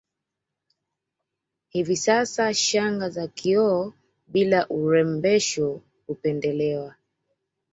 Hivi sasa shanga za kioo bila urembesho hupendelewa